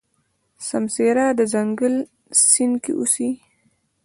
سمسيره د ځنګل سیند کې اوسي.